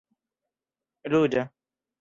ruĝa